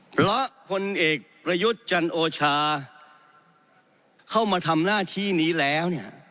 เพราะพลเอกประยุทธ์จันโอชาเข้ามาทำหน้าที่นี้แล้วเนี่ย